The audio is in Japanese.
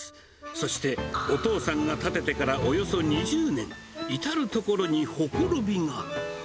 そして、お父さんが建ててからおよそ２０年、至る所にほころびが。